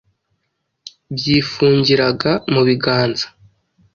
byifungiraga mu biganza.